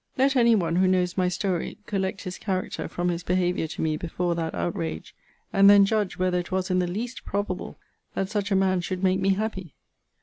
Let any one, who knows my story, collect his character from his behaviour to me before that outrage; and then judge whether it was in the least probable that such a man should make me happy.